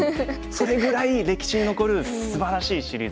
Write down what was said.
それぐらい歴史に残るすばらしいシリーズでしたね。